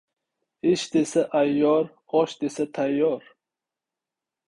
Ish desa, ayyor, osh desa, tayyor.